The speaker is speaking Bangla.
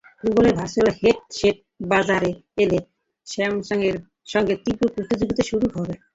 গুগলের ভারচুয়াল হেডসেট বাজারে এলে স্যামসাংয়ের সঙ্গে তীব্র প্রতিযোগিতা শুরু হবে।